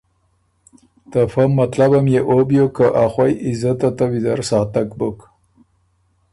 ته فۀ مطلبم يې او بیوک که ا خوئ عزته ته ویزر ساتک بُک